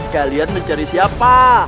kalian mencari siapa